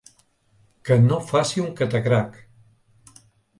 Que no faci un catacrac!